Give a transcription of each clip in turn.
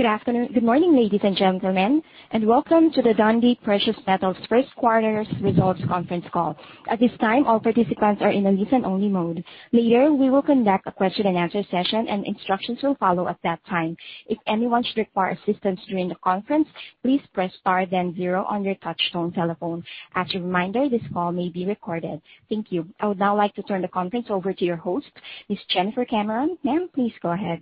Good morning, ladies and gentlemen, and welcome to the DPM Metals first quarter results conference call. At this time, all participants are in a listen-only mode. Later, we will conduct a question and answer session, and instructions will follow at that time. If anyone should require assistance during the conference, please press star then zero on your touch tone telephone. As a reminder, this call may be recorded. Thank you. I would now like to turn the conference over to your host, Ms. Jennifer Cameron. Ma'am, please go ahead.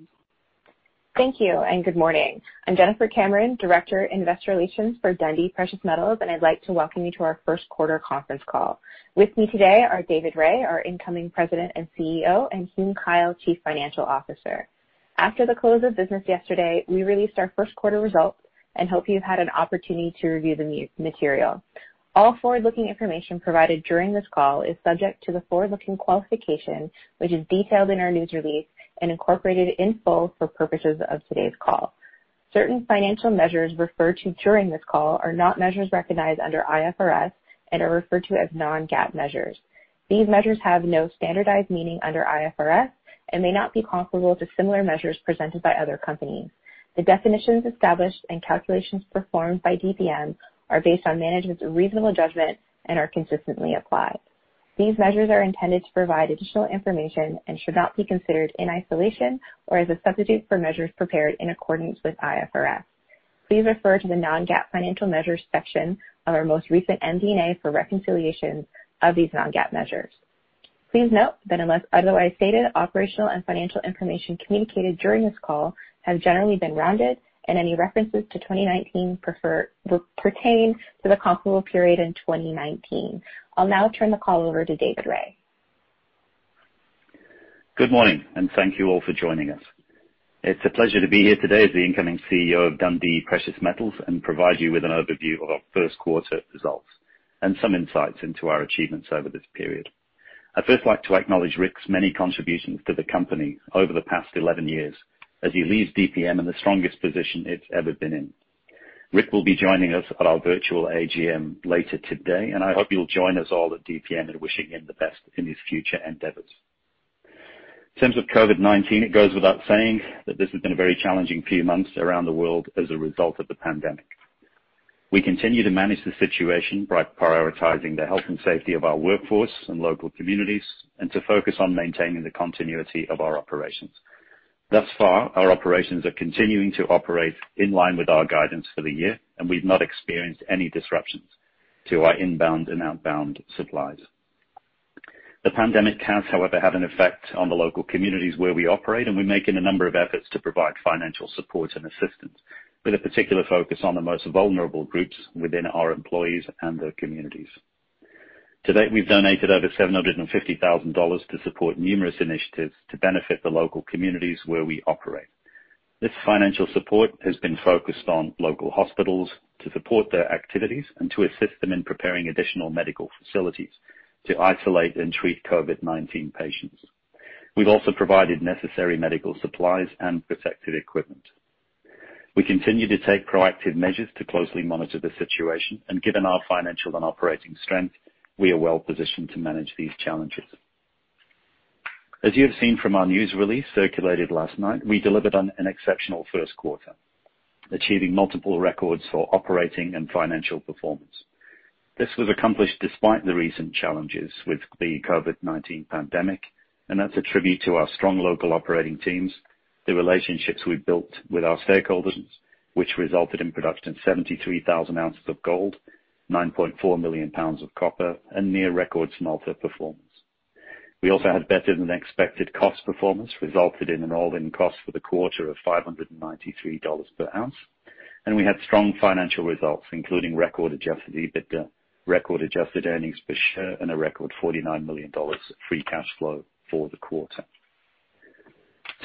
Thank you, good morning. I'm Jennifer Cameron, Director, Investor Relations for Dundee Precious Metals, and I'd like to welcome you to our first quarter conference call. With me today are David Rae, our incoming President and CEO, and Hume Kyle, Chief Financial Officer. After the close of business yesterday, we released our first quarter results and hope you've had an opportunity to review the material. All forward-looking information provided during this call is subject to the forward-looking qualification, which is detailed in our news release and incorporated in full for purposes of today's call. Certain financial measures referred to during this call are not measures recognized under IFRS and are referred to as non-GAAP measures. The definitions established and calculations performed by DPM are based on management's reasonable judgment and are consistently applied. These measures are intended to provide additional information and should not be considered in isolation or as a substitute for measures prepared in accordance with IFRS. Please refer to the non-GAAP financial measures section of our most recent MD&A for reconciliations of these non-GAAP measures. Please note that unless otherwise stated, operational and financial information communicated during this call has generally been rounded, and any references to 2019 will pertain to the comparable period in 2019. I'll now turn the call over to David Rae. Good morning. Thank you all for joining us. It's a pleasure to be here today as the incoming CEO of Dundee Precious Metals and provide you with an overview of our first quarter results and some insights into our achievements over this period. I'd first like to acknowledge Rick's many contributions to the company over the past 11 years as he leaves DPM in the strongest position it's ever been in. Rick will be joining us at our virtual AGM later today. I hope you'll join us all at DPM in wishing him the best in his future endeavors. In terms of COVID-19, it goes without saying that this has been a very challenging few months around the world as a result of the pandemic. We continue to manage the situation by prioritizing the health and safety of our workforce and local communities and to focus on maintaining the continuity of our operations. Thus far, our operations are continuing to operate in line with our guidance for the year, and we've not experienced any disruptions to our inbound and outbound supplies. The pandemic has, however, had an effect on the local communities where we operate, and we're making a number of efforts to provide financial support and assistance, with a particular focus on the most vulnerable groups within our employees and their communities. To date, we've donated over $750,000 to support numerous initiatives to benefit the local communities where we operate. This financial support has been focused on local hospitals to support their activities and to assist them in preparing additional medical facilities to isolate and treat COVID-19 patients. We've also provided necessary medical supplies and protective equipment. We continue to take proactive measures to closely monitor the situation, and given our financial and operating strength, we are well positioned to manage these challenges. As you have seen from our news release circulated last night, we delivered on an exceptional first quarter, achieving multiple records for operating and financial performance. This was accomplished despite the recent challenges with the COVID-19 pandemic, and that's a tribute to our strong local operating teams, the relationships we've built with our stakeholders, which resulted in production of 73,000 ounces of gold, 9.4 million pounds of copper and near record smelter performance. We also had better than expected cost performance, resulted in an all-in cost for the quarter of $593 per ounce, and we had strong financial results, including record Adjusted EBITDA, record adjusted earnings per share, and a record $49 million of free cash flow for the quarter.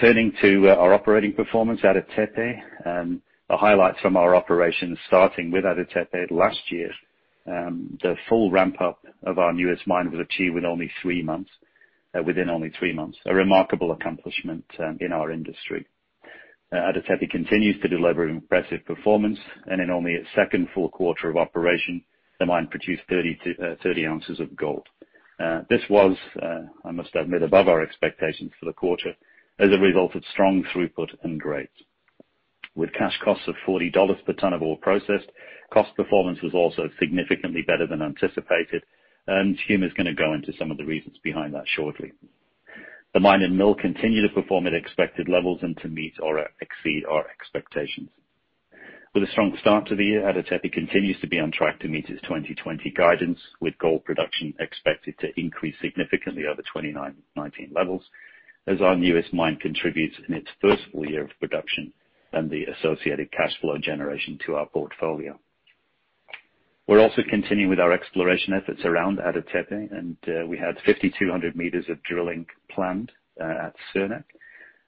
Turning to our operating performance at Ada Tepe, the highlights from our operations starting with Ada Tepe last year, the full ramp-up of our newest mine was achieved within only three months, a remarkable accomplishment in our industry. Ada Tepe continues to deliver impressive performance and in only its second full quarter of operation, the mine produced 30 ounces of gold. This was, I must admit, above our expectations for the quarter as a result of strong throughput and grades. With cash costs of $40 per ton of ore processed, cost performance was also significantly better than anticipated. Hume is going to go into some of the reasons behind that shortly. The mine and mill continue to perform at expected levels and to meet or exceed our expectations. With a strong start to the year, Ada Tepe continues to be on track to meet its 2020 guidance, with gold production expected to increase significantly over 2019 levels as our newest mine contributes in its first full year of production and the associated cash flow generation to our portfolio. We're also continuing with our exploration efforts around Ada Tepe. We had 5,200 meters of drilling planned at Surnak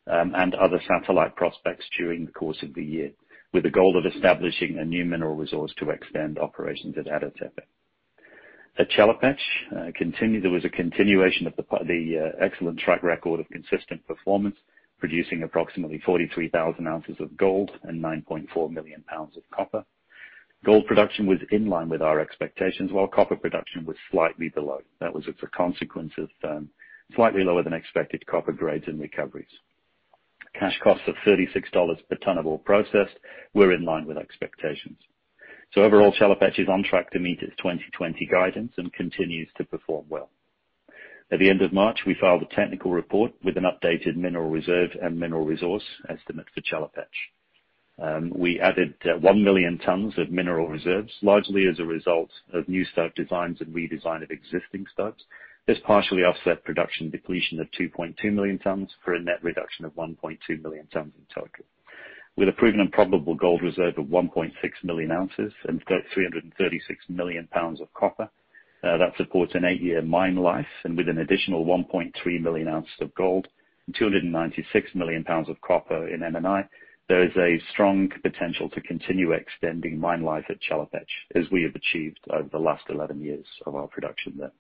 and other satellite prospects during the course of the year, with the goal of establishing a new mineral resource to extend operations at Ada Tepe. At Chelopech, there was a continuation of the excellent track record of consistent performance, producing approximately 43,000 ounces of gold and 9.4 million pounds of copper. Gold production was in line with our expectations, while copper production was slightly below. That was as a consequence of slightly lower than expected copper grades and recoveries. Cash costs of $36 per ton of ore processed were in line with expectations. Overall, Chelopech is on track to meet its 2020 guidance and continues to perform well. At the end of March, we filed a technical report with an updated mineral reserve and mineral resource estimate for Chelopech. We added 1 million tons of mineral reserves, largely as a result of new stope designs and redesign of existing stopes. This partially offset production depletion of 2.2 million tons for a net reduction of 1.2 million tons in total. With a proven and probable gold reserve of 1.6 million ounces and 336 million pounds of copper, that supports an eight-year mine life, and with an additional 1.3 million ounces of gold and 296 million pounds of copper in M&I, there is a strong potential to continue extending mine life at Chelopech, as we have achieved over the last 11 years of our production there.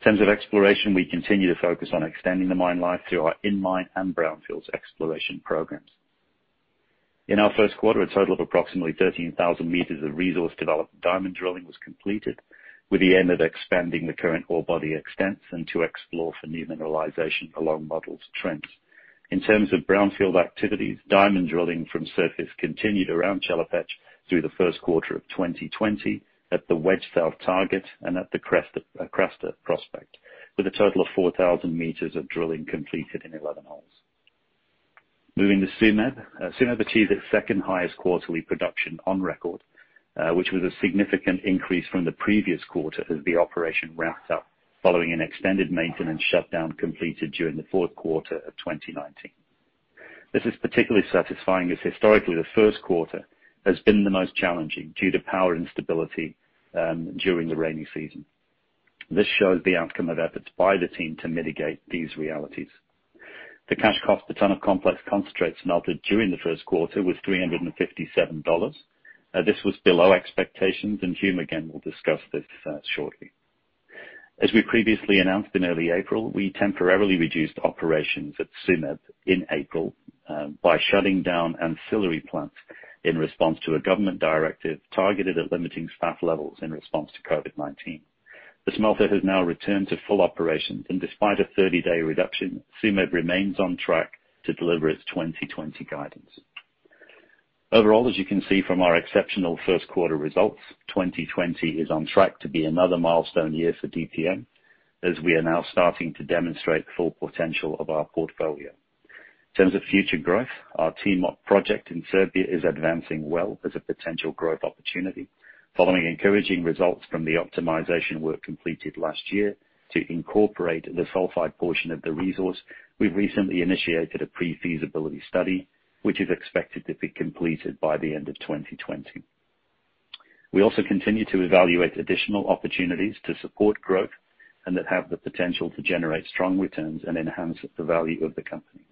In terms of exploration, we continue to focus on extending the mine life through our in-mine and brownfields exploration programs. In our first quarter, a total of approximately 13,000 meters of resource development diamond drilling was completed, with the aim of expanding the current ore body extents and to explore for new mineralization along modeled trends. In terms of brownfield activities, diamond drilling from surface continued around Chelopech through the first quarter of 2020 at the Wedge South target and at the Krasta prospect, with a total of 4,000 meters of drilling completed in 11 holes. Moving to Tsumeb. Tsumeb achieved its second highest quarterly production on record, which was a significant increase from the previous quarter as the operation ramped up following an extended maintenance shutdown completed during the fourth quarter of 2019. This is particularly satisfying as historically, the first quarter has been the most challenging due to power instability during the rainy season. This shows the outcome of efforts by the team to mitigate these realities. The cash cost per ton of complex concentrates melted during the first quarter was $357. This was below expectations, Hume, again, will discuss this shortly. As we previously announced in early April, we temporarily reduced operations at Tsumeb in April by shutting down ancillary plants in response to a government directive targeted at limiting staff levels in response to COVID-19. The smelter has now returned to full operations. Despite a 30-day reduction, Tsumeb remains on track to deliver its 2020 guidance. Overall, as you can see from our exceptional first quarter results, 2020 is on track to be another milestone year for DPM as we are now starting to demonstrate the full potential of our portfolio. In terms of future growth, our Timok project in Serbia is advancing well as a potential growth opportunity. Following encouraging results from the optimization work completed last year to incorporate the sulfide portion of the resource, we've recently initiated a pre-feasibility study, which is expected to be completed by the end of 2020. We also continue to evaluate additional opportunities to support growth and that have the potential to generate strong returns and enhance the value of the company.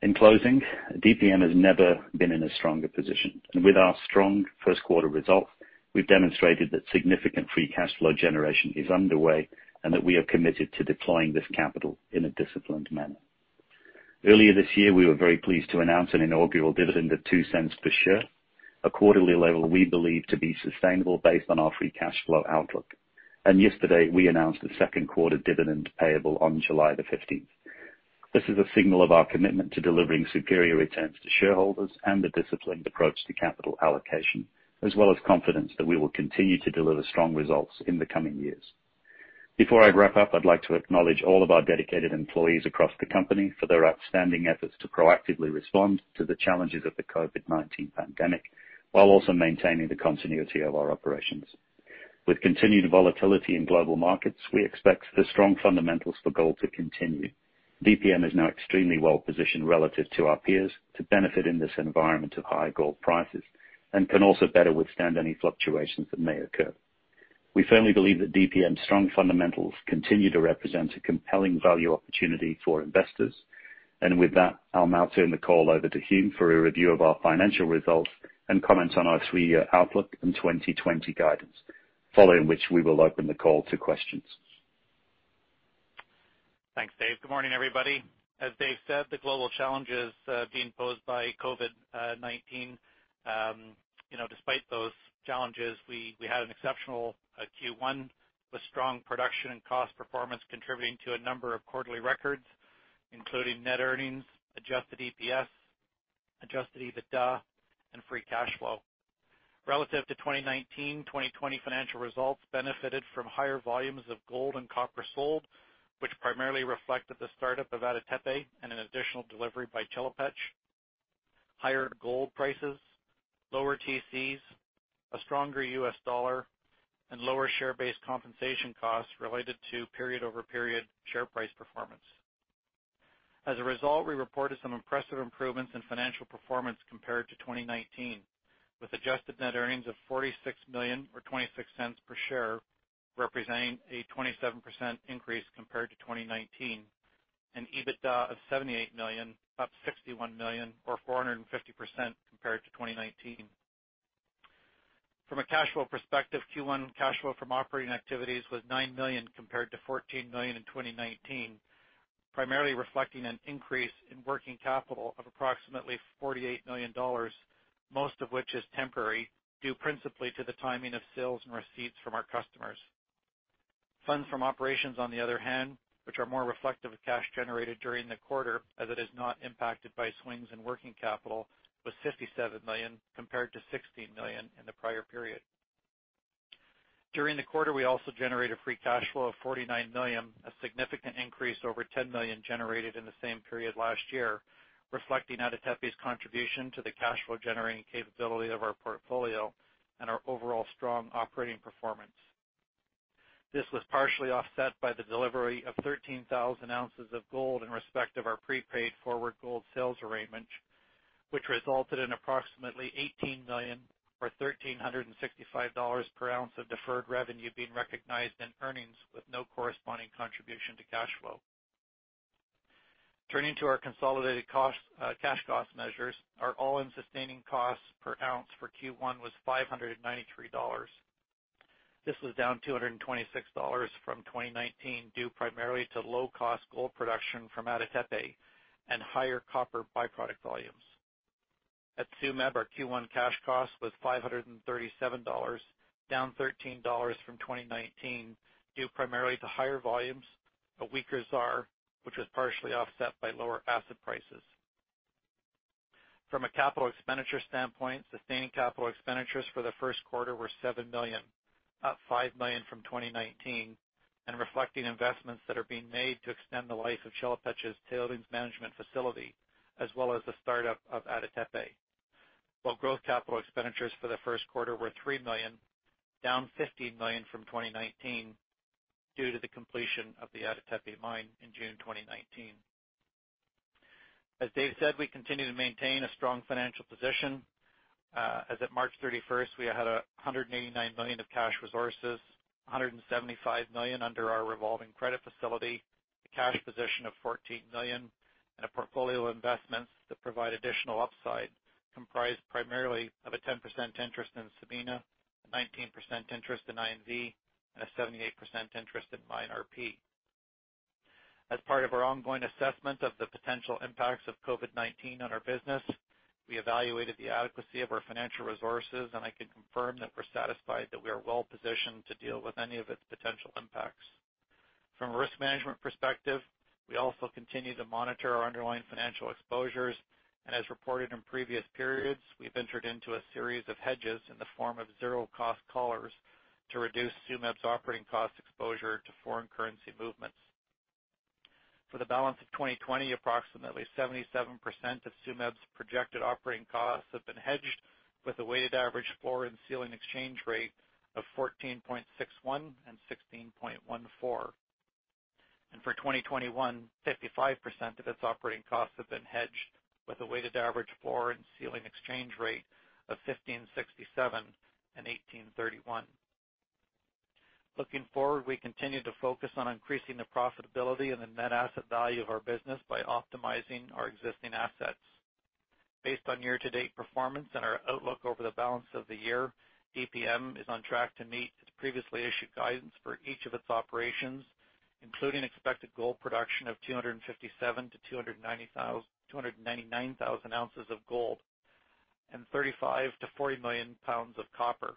In closing, DPM has never been in a stronger position. With our strong first quarter results, we've demonstrated that significant free cash flow generation is underway and that we are committed to deploying this capital in a disciplined manner. Earlier this year, we were very pleased to announce an inaugural dividend of $0.02 per share, a quarterly level we believe to be sustainable based on our free cash flow outlook. Yesterday, we announced a second quarter dividend payable on July the 15th. This is a signal of our commitment to delivering superior returns to shareholders and a disciplined approach to capital allocation, as well as confidence that we will continue to deliver strong results in the coming years. Before I wrap up, I'd like to acknowledge all of our dedicated employees across the company for their outstanding efforts to proactively respond to the challenges of the COVID-19 pandemic while also maintaining the continuity of our operations. With continued volatility in global markets, we expect the strong fundamentals for gold to continue. DPM is now extremely well-positioned relative to our peers to benefit in this environment of high gold prices and can also better withstand any fluctuations that may occur. We firmly believe that DPM's strong fundamentals continue to represent a compelling value opportunity for investors. With that, I'll now turn the call over to Hume for a review of our financial results and comments on our three-year outlook and 2020 guidance, following which, we will open the call to questions. Thanks, Dave. Good morning, everybody. As Dave said, the global challenges being posed by COVID-19, despite those challenges, we had an exceptional Q1 with strong production and cost performance contributing to a number of quarterly records, including net earnings, adjusted EPS, Adjusted EBITDA, and free cash flow. Relative to 2019, 2020 financial results benefited from higher volumes of gold and copper sold, which primarily reflected the startup of Ada Tepe and an additional delivery by Chelopech, higher gold prices, lower TC's, a stronger US dollar, and lower share-based compensation costs related to period-over-period share price performance. As a result, we reported some impressive improvements in financial performance compared to 2019, with adjusted net earnings of $46 million or $0.26 per share, representing a 27% increase compared to 2019, and EBITDA of $78 million, up $61 million or 450% compared to 2019. From a cash flow perspective, Q1 cash flow from operating activities was $9 million compared to $14 million in 2019. Primarily reflecting an increase in working capital of approximately $48 million, most of which is temporary, due principally to the timing of sales and receipts from our customers. Funds from operations, on the other hand, which are more reflective of cash generated during the quarter as it is not impacted by swings in working capital, was $57 million, compared to $16 million in the prior period. During the quarter, we also generated free cash flow of $49 million, a significant increase over $10 million generated in the same period last year, reflecting Ada Tepe's contribution to the cash flow generating capability of our portfolio and our overall strong operating performance. This was partially offset by the delivery of 13,000 ounces of gold in respect of our prepaid forward gold sales arrangement, which resulted in approximately $18 million or $1,365 per ounce of deferred revenue being recognized in earnings with no corresponding contribution to cash flow. Turning to our consolidated cash cost measures, our all-in sustaining costs per ounce for Q1 was $593. This was down $226 from 2019, due primarily to low-cost gold production from Ada Tepe and higher copper by-product volumes. At Tsumeb, our Q1 cash cost was $537, down $13 from 2019, due primarily to higher volumes, a weaker ZAR, which was partially offset by lower acid prices. From a capital expenditure standpoint, sustaining capital expenditures for the first quarter were $7 million, up $5 million from 2019, and reflecting investments that are being made to extend the life of Chelopech's tailings management facility, as well as the start-up of Ada Tepe. While growth capital expenditures for the first quarter were $3 million, down $15 million from 2019 due to the completion of the Ada Tepe mine in June 2019. As Dave said, we continue to maintain a strong financial position. As at March 31st, we had $189 million of cash resources, $175 million under our revolving credit facility, a cash position of $14 million, and a portfolio of investments that provide additional upside, comprised primarily of a 10% interest in Sabina, a 19% interest in INV, and a 78% interest in MineRP. As part of our ongoing assessment of the potential impacts of COVID-19 on our business, we evaluated the adequacy of our financial resources, I can confirm that we're satisfied that we are well-positioned to deal with any of its potential impacts. From a risk management perspective, we also continue to monitor our underlying financial exposures, as reported in previous periods, we've entered into a series of hedges in the form of zero cost collars to reduce Tsumeb's operating cost exposure to foreign currency movements. For the balance of 2020, approximately 77% of Tsumeb's projected operating costs have been hedged with a weighted average floor and ceiling exchange rate of 14.61 and 16.14. For 2021, 55% of its operating costs have been hedged with a weighted average floor and ceiling exchange rate of 15.67 and 18.31. Looking forward, we continue to focus on increasing the profitability and the net asset value of our business by optimizing our existing assets. Based on year-to-date performance and our outlook over the balance of the year, DPM is on track to meet its previously issued guidance for each of its operations, including expected gold production of 257 to 299,000 ounces of gold and 35 to 40 million pounds of copper.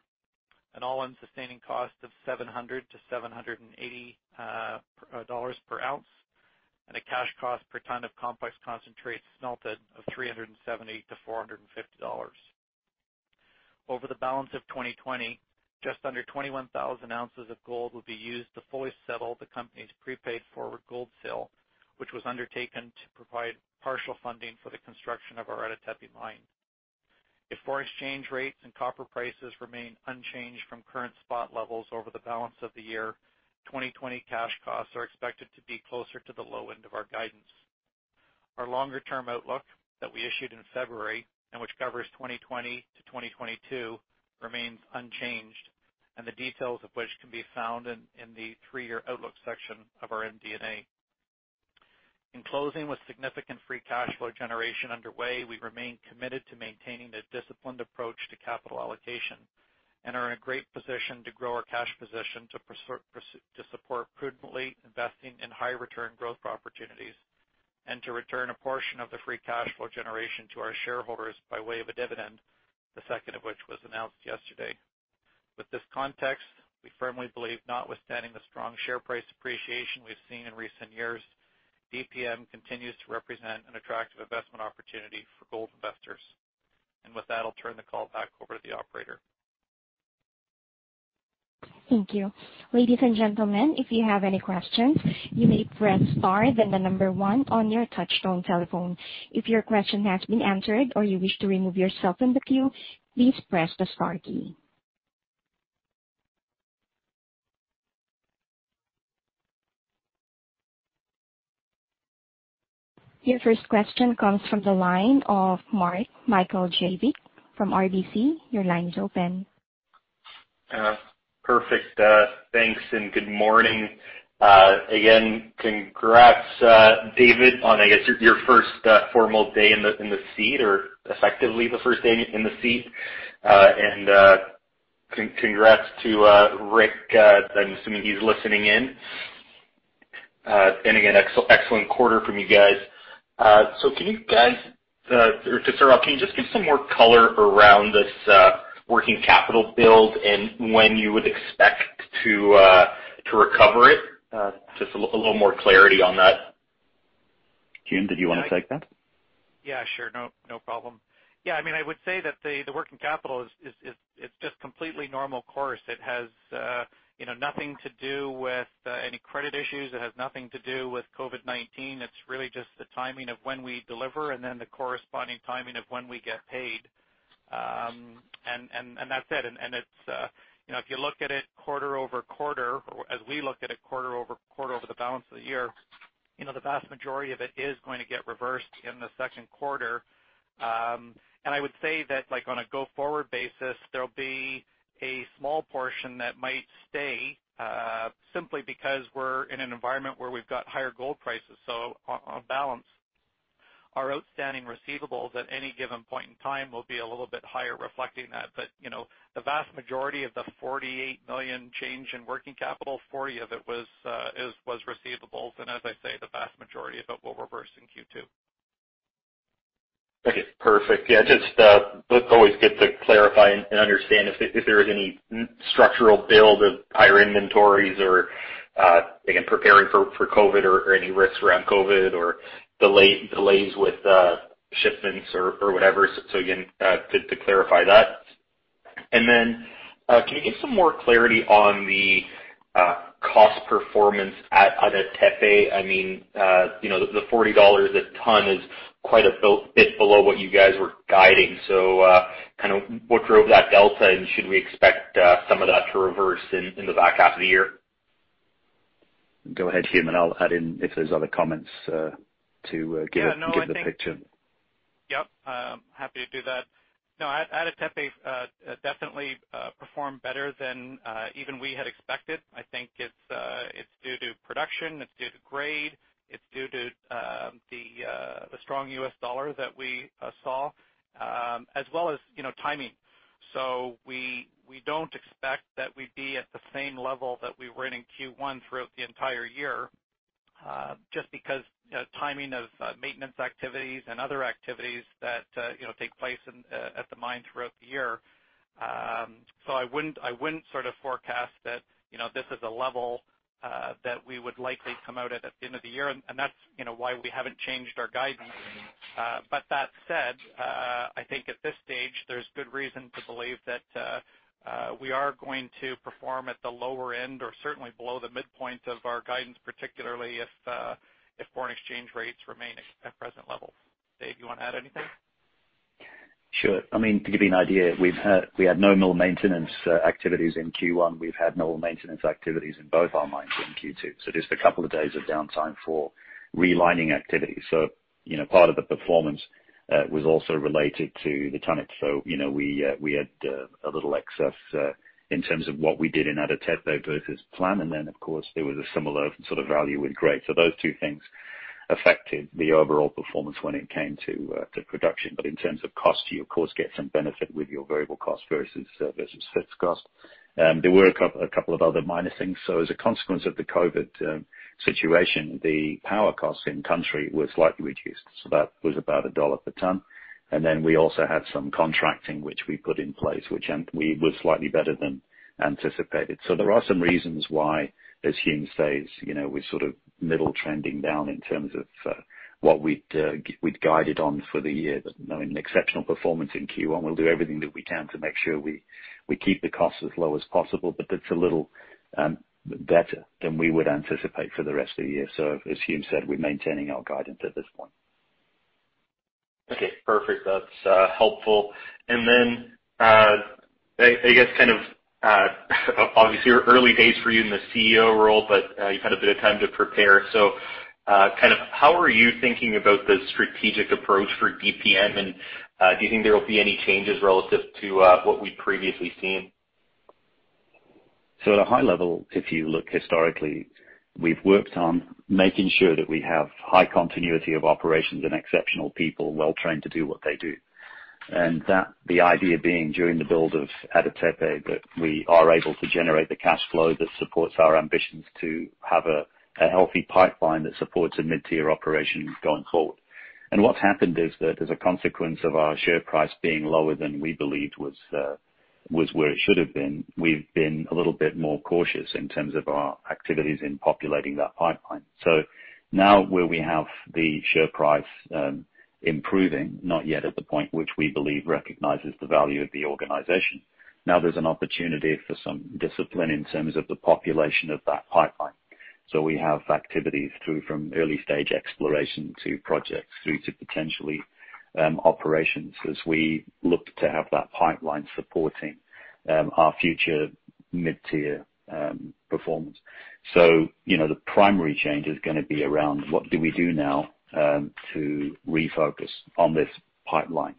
An all-in sustaining cost of $700-$780 per ounce, and a cash cost per ton of complex concentrates smelted of $370-$450. Over the balance of 2020, just under 21,000 ounces of gold will be used to fully settle the company's prepaid forward gold sale, which was undertaken to provide partial funding for the construction of our Ada Tepe mine. If foreign exchange rates and copper prices remain unchanged from current spot levels over the balance of the year, 2020 cash costs are expected to be closer to the low end of our guidance. Our longer-term outlook that we issued in February and which covers 2020 to 2022, remains unchanged, and the details of which can be found in the three-year outlook section of our MD&A. In closing, with significant free cash flow generation underway, we remain committed to maintaining a disciplined approach to capital allocation and are in a great position to grow our cash position to support prudently investing in high return growth opportunities and to return a portion of the free cash flow generation to our shareholders by way of a dividend, the second of which was announced yesterday. With this context, we firmly believe, notwithstanding the strong share price appreciation we've seen in recent years, DPM continues to represent an attractive investment opportunity for gold investors. With that, I'll turn the call back over to the operator. Thank you. Ladies and gentlemen, if you have any questions, you may press star then the number one on your touchtone telephone. If your question has been answered or you wish to remove yourself from the queue, please press the star key. Your first question comes from the line of Mark Mihaljevic from RBC. Your line's open. Perfect. Thanks. Good morning. Again, congrats, David, on, I guess, your first formal day in the seat or effectively the first day in the seat. Congrats to Rick. I'm assuming he's listening in. Again, excellent quarter from you guys. Can you guys, or to start off, can you just give some more color around this working capital build and when you would expect to recover it? Just a little more clarity on that. Hume, did you want to take that? Yeah, sure. No problem. I would say that the working capital is just completely normal course. It has nothing to do with any credit issues. It has nothing to do with COVID-19. It's really just the timing of when we deliver and then the corresponding timing of when we get paid. That's it. If you look at it QoQ, or as we look at it QoQ over the balance of the year, the vast majority of it is going to get reversed in the second quarter. I would say that on a go-forward basis, there'll be a small portion that might stay, simply because we're in an environment where we've got higher gold prices. On balance, our outstanding receivables at any given point in time will be a little bit higher reflecting that. The vast majority of the $48 million change in working capital, $40 million of it was receivables. As I say, the vast majority of it will reverse in Q2. Okay, perfect. Yeah, just always good to clarify and understand if there is any structural build of higher inventories or, again, preparing for COVID or any risks around COVID or delays with shipments or whatever. Again, to clarify that. Can you give some more clarity on the cost performance at Ada Tepe? The $40 a ton is quite a bit below what you guys were guiding. What drove that delta? Should we expect some of that to reverse in the back half of the year? Go ahead, Hume, and I'll add in if there's other comments to give the picture. Yep, happy to do that. Ada Tepe definitely performed better than even we had expected. I think it's due to production, it's due to grade, it's due to the strong U.S. dollar that we saw, as well as timing. We don't expect that we'd be at the same level that we were in in Q1 throughout the entire year, just because timing of maintenance activities and other activities that take place at the mine throughout the year. I wouldn't forecast that this is a level that we would likely come out at the end of the year, and that's why we haven't changed our guidance. That said, I think at this stage, there's good reason to believe that we are going to perform at the lower end or certainly below the midpoint of our guidance, particularly if foreign exchange rates remain at present levels. Dave, you want to add anything? Sure. To give you an idea, we had no mill maintenance activities in Q1. We've had mill maintenance activities in both our mines in Q2. Just a couple of days of downtime for realigning activities. Part of the performance was also related to the tonnage. We had a little excess in terms of what we did in Ada Tepe versus plan. Of course, there was a similar sort of value in grade. Those two things affected the overall performance when it came to production. In terms of cost, you of course get some benefit with your variable cost versus fixed cost. There were a couple of other minor things. As a consequence of the COVID situation, the power cost in country was slightly reduced, so that was about $1 per ton. We also had some contracting which we put in place, which was slightly better than anticipated. There are some reasons why, as Hume says, we're sort of middle trending down in terms of what we'd guided on for the year. An exceptional performance in Q1. We'll do everything that we can to make sure we keep the costs as low as possible. It's a little better than we would anticipate for the rest of the year. As Hume said, we're maintaining our guidance at this point. Okay, perfect. That's helpful. Obviously early days for you in the CEO role, but you've had a bit of time to prepare. How are you thinking about the strategic approach for DPM? Do you think there will be any changes relative to what we've previously seen? At a high level, if you look historically, we've worked on making sure that we have high continuity of operations and exceptional people well trained to do what they do. The idea being during the build of Ada Tepe that we are able to generate the cash flow that supports our ambitions to have a healthy pipeline that supports a mid-tier operation going forward. What's happened is that as a consequence of our share price being lower than we believed was where it should have been, we've been a little bit more cautious in terms of our activities in populating that pipeline. Now where we have the share price improving, not yet at the point which we believe recognizes the value of the organization, now there's an opportunity for some discipline in terms of the population of that pipeline. We have activities through from early stage exploration to projects through to potentially operations as we look to have that pipeline supporting our future mid-tier performance. The primary change is going to be around what do we do now to refocus on this pipeline.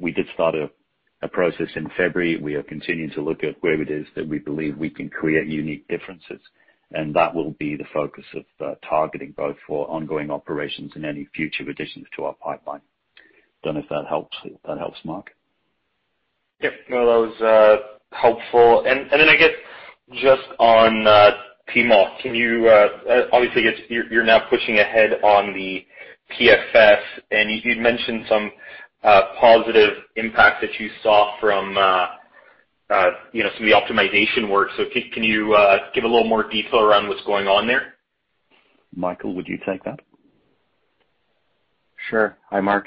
We did start a process in February. We are continuing to look at where it is that we believe we can create unique differences, and that will be the focus of targeting both for ongoing operations and any future additions to our pipeline. Don't know if that helps, Mark. Yep. No, that was helpful. I guess just on Timok, obviously you're now pushing ahead on the PFS, you'd mentioned some positive impact that you saw from some of the optimization work. Can you give a little more detail around what's going on there? Michael, would you take that? Sure. Hi, Mark.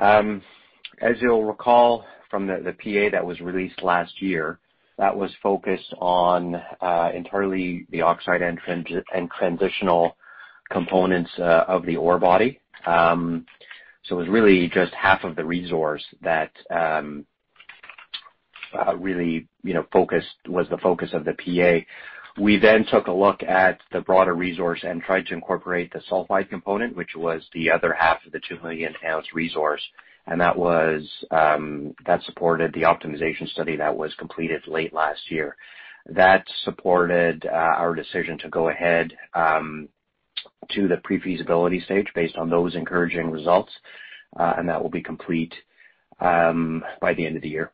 As you'll recall from the PEA that was released last year, that was focused on entirely the oxide and transitional components of the ore body. It was really just half of the resource that really was the focus of the PEA. We then took a look at the broader resource and tried to incorporate the sulfide component, which was the other half of the 2 million ounce resource, and that supported the optimization study that was completed late last year. That supported our decision to go ahead to the pre-feasibility stage based on those encouraging results, and that will be complete by the end of the year.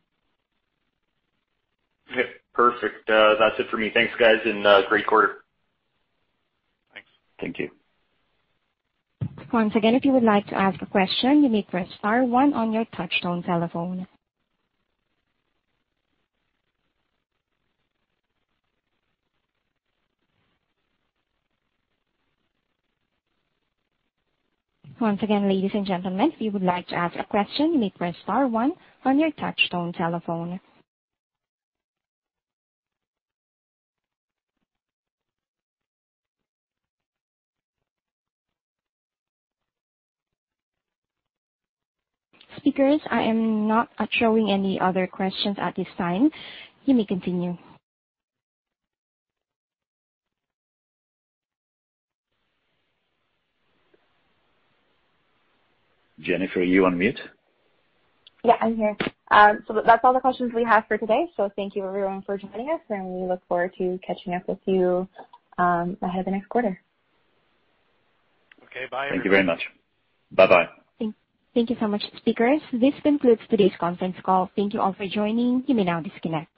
Okay, perfect. That's it for me. Thanks, guys, and great quarter. Thanks. Thank you. Once again, if you would like to ask a question, you may press star one on your touchtone telephone. Once again, ladies and gentlemen, if you would like to ask a question, you may press star one on your touchtone telephone. Speakers, I am not showing any other questions at this time. You may continue. Jennifer, are you on mute? Yeah, I'm here. That's all the questions we have for today. Thank you everyone for joining us, and we look forward to catching up with you ahead of the next quarter. Okay. Bye, everyone. Thank you very much. Bye-bye. Thank you so much, speakers. This concludes today's conference call. Thank you all for joining. You may now disconnect.